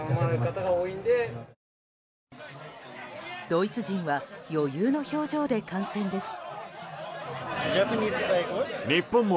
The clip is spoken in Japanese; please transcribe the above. ドイツ人は余裕の表情で観戦です。